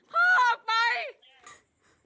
พ่อออกไป